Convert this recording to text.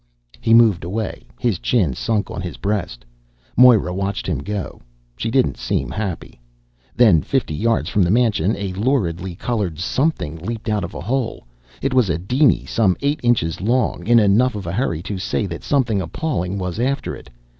He moved away, his chin sunk on his breast. Moira watched him go. She didn't seem happy. Then, fifty yards from the mansion, a luridly colored something leaped out of a hole. It was a diny some eight inches long, in enough of a hurry to say that something appalling was after it.